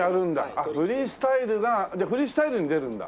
あっフリースタイルがじゃあフリースタイルに出るんだ。